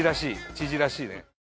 知事らしいね。